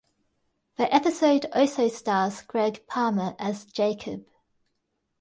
The episode also stars Gregg Palmer as Jacob.